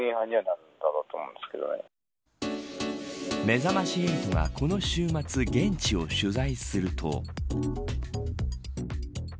めざまし８がこの週末、現地を取材すると。